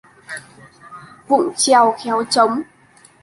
Vụng chèo khéo trống